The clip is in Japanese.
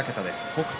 北勝